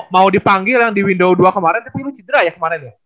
mau dipanggil yang di window dua kemarin tapi lu cedera ya kemarin ya